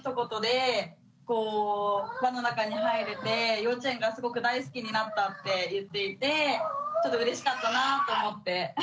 幼稚園がすごく大好きになったって言っていてちょっとうれしかったなぁと思って。